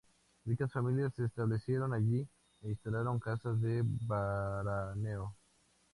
Ricas familias se establecieron allí, e instalaron casas de veraneo.